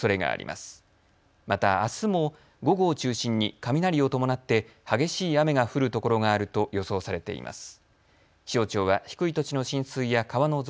また、あすも午後を中心に雷を伴って激しい雨が降るところがあると予想されています。